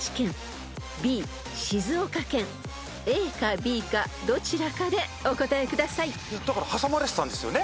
［ＡかＢかどちらかでお答えください］挟まれてたんですよね